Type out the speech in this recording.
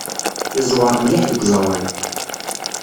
Yeẓwer mliḥ deg uẓawan.